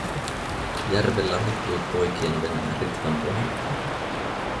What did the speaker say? Järvellä lipui poikien vene Ritvan ohi.